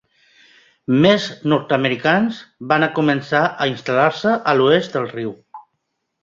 Més nord-americans van començar a instal·lar-se a l'oest del riu.